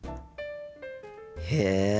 へえ。